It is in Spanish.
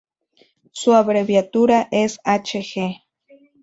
Su abreviatura es hg.